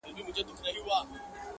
تاریخ د ملتونو ویاړ دی